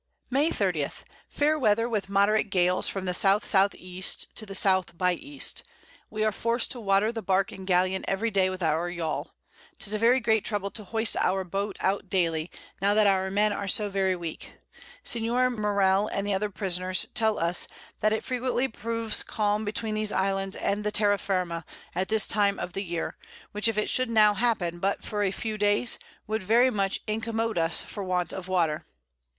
[Sidenote: From the Gallapagos Islands towards Peru.] May 30. Fair Weather with moderate Gales from the S. S. E. to the S. by E. We are forced to water the Bark and Galleon every Day with our Yall: 'Tis a very great Trouble to hoist our Boat out daily; now that our Men are so very weak. Senior Morell, and the other Prisoners, tell us, that it frequently proves Calm between these Islands and the Terra firma, at this time of the Year, which if it should now happen, but for a few Days, would very much incommode us for Want of Water.